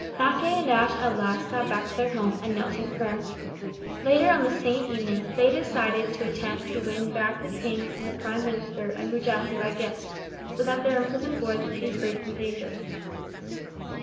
Mackay and Ashe at last got back to their home and knelt in prayer. Later on the same evening, they decided to attempt to win back the King and the Prime Minister and Mujasi by gifts, so that their imprisoned boys would be freed from danger.